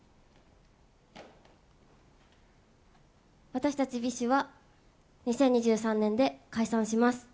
私たちＢｉＳＨは２０２３年で解散します。